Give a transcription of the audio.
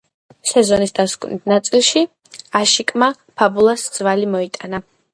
სეზონის დასკვნით ნაწილში აშიკმა „ფაბულას“ ძვალი მოიტეხა.